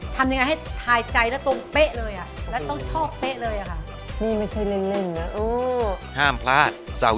ทำยังไงให้ทายใจแล้วตรงเป๊ะเลยอ่ะแล้วต้องชอบเป๊ะเลยอะค่ะ